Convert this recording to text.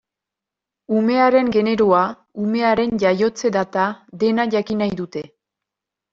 Umearen generoa, umearen jaiotze data, dena jakin nahi dute.